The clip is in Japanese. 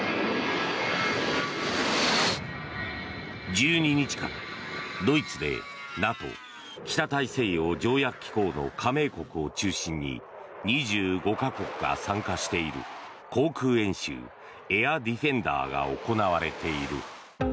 １２日からドイツでＮＡＴＯ・北大西洋条約機構の加盟国を中心に２５か国が参加している航空演習、エアディフェンダーが行われている。